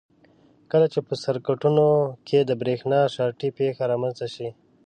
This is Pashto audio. کله چې په سرکټونو کې د برېښنا شارټۍ پېښه رامنځته شي.